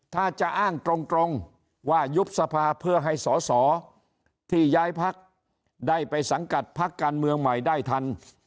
ถ้าจะอ้างตรงว่ายุบสภาเพื่อให้สอสอที่ย้ายพักได้ไปสังกัดพักการเมืองใหม่ได้ทัน